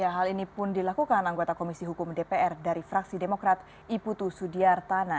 hal ini pun dilakukan anggota komisi hukum dpr dari fraksi demokrat iputu sudiartana